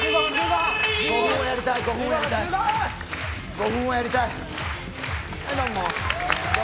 ５分はやりたい。